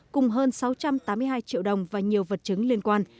cùng hơn sáu trăm tám mươi hai triệu đồng và nhiều vật chứng liên quan